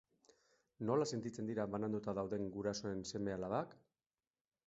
Nola sentitzen dira bananduta dauden gurasoen seme-alabak?